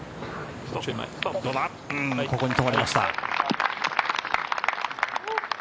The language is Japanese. ここに留まりました。